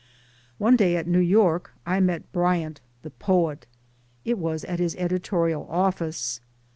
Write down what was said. One day at New York' I met Bryant the poet. It was at his editorial office.